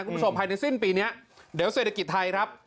คุณผู้ชมภายในสิ้นปีนี้เดี๋ยวเศรษฐกิจไทยครับ